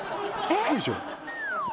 好きでしょ？